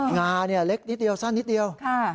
งาเล็กนิดเดียวสั้นนิดเดียว